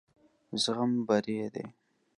زغم بري دی.